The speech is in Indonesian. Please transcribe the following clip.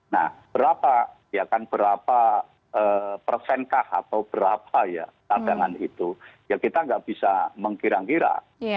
nah berapa ya kan berapa persenkah atau berapa ya cadangan itu ya kita nggak bisa mengkira kira